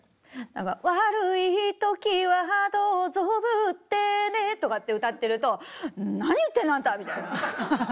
「悪い時はどうぞぶってね」とかって歌ってると「何言ってんのあんた」みたいな。